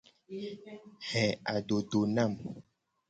He adodo nam.